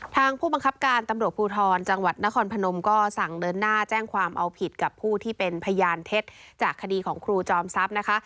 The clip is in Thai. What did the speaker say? ผู้บังคับการตำรวจภูทรจังหวัดนครพนมก็สั่งเดินหน้าแจ้งความเอาผิดกับผู้ที่เป็นพยานเท็จจากคดีของครูจอมทรัพย์นะคะ